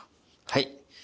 はい。